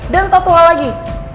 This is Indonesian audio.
dan satu hal lagi